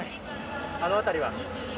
あの辺りは？